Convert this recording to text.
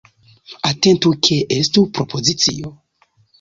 Atentu ke estu propozicio.